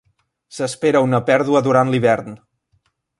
S'espera una pèrdua durant l'hivern.